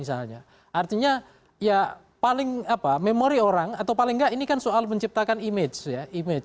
artinya ya paling memori orang atau paling nggak ini kan soal menciptakan image